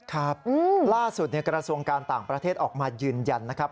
ครับล่าสุดกระทรวงการต่างประเทศออกมายืนยันนะครับ